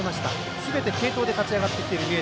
すべて継投で勝ち上がってきている三重。